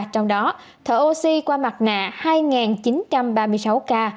trong đó thở oxy qua mặt nạ hai chín trăm ba mươi sáu ca